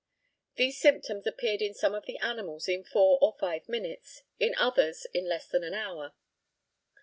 These symptoms appeared in some of the animals in four or five minutes; in others in less than an hour.